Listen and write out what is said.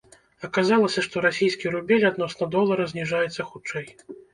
Аказалася, што расійскі рубель адносна долара зніжаецца хутчэй.